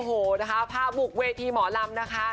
โอ้โหนะคะพาบุกเวทีหมอลำนะคะ